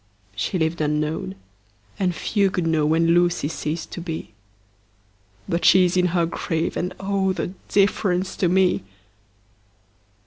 She lived unknown, and few could know When Lucy ceased to be; 10 But she is in her grave, and, oh, The difference to me!